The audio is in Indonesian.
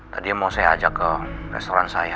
tadi mau saya ajak ke restoran saya